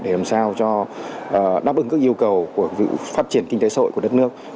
để làm sao cho đáp ứng các yêu cầu của phát triển kinh tế sội của đất nước